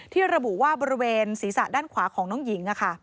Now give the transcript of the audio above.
ระบุว่าบริเวณศีรษะด้านขวาของน้องหญิง